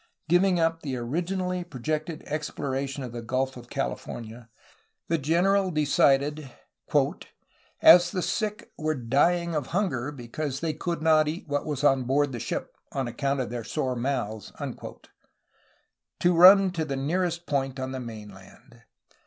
Giving up the originally projected exploration of the Gulf of California, the general decided, "as the sick were dying of hunger because they could not eat what was on board the ship on account of their sore mouths," \ SEBASTIAN VIZCAINO 137 to run for the nearest point of the mainland.